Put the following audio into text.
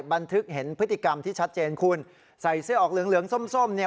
บันทึกเห็นพฤติกรรมที่ชัดเจนคุณใส่เสื้อออกเหลืองเหลืองส้มส้มเนี่ย